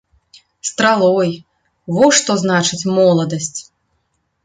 Стралой, во што значыць моладасць.